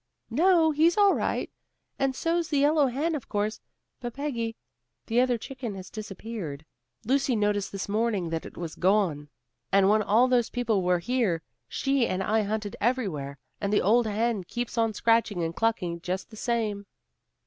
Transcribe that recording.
"No, he's all right. And so's the yellow hen, of course. But, Peggy, the other chicken has disappeared. Lucy noticed this morning that it was gone, and when all those people were here, she and I hunted everywhere. And the old hen keeps on scratching and clucking just the same."